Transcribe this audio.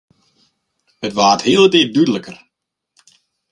It waard hieltiten dúdliker.